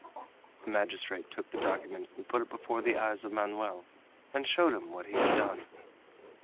The magistrate took the document and put it before the eyes of Manoel and showed him what he had done.